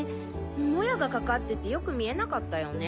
モヤがかかっててよく見えなかったよね。